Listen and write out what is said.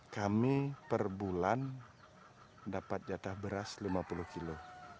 kami perbulan dapat jatah beras lima puluh kilo